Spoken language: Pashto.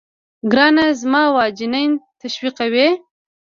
ګرانه زما دوا جنين تشويقوي.